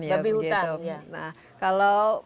kalau bu ratu sendiri apa yang anda inginkan